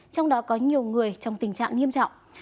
trong đó có nhiều người trong tình trạng nghiêm trọng